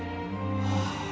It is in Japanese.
はあ。